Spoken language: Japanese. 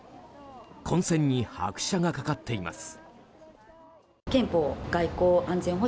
混戦に拍車がかかっています。